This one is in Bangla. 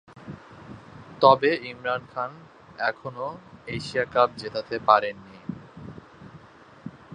তবে ইমরান খান কখনো এশিয়া কাপ জেতাতে পারেননি।